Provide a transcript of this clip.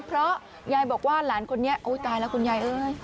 เพราะยัยบอกว่าหลานคนนี้ตายแล้วคุณยาย